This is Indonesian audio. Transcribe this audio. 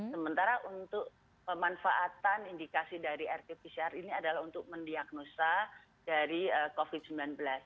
sementara untuk pemanfaatan indikasi dari rt pcr ini adalah untuk mendiagnosa dari covid sembilan belas